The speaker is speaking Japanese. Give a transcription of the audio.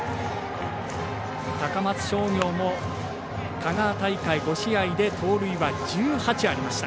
高松商業も香川大会５試合で盗塁は１８ありました。